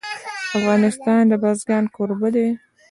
افغانستان د بزګان کوربه دی.